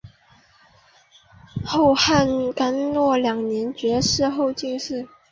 后汉干佑二年窦偁中进士。